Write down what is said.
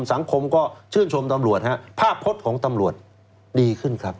สังคมก็ชื่นชมตำรวจฮะภาพพจน์ของตำรวจดีขึ้นครับ